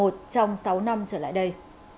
trong sáu năm trở lại đây